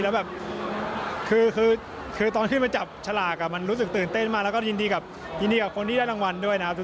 แล้วแบบคือตอนขึ้นมาจับฉลากมันรู้สึกตื่นเต้นมากแล้วก็ยินดีกับยินดีกับคนที่ได้รางวัลด้วยนะครับ